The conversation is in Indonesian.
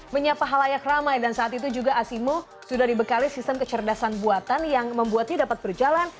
menyapa halayak ramai dan saat itu juga asimo sudah dibekali sistem kecerdasan buatan yang membuatnya dapat berjalan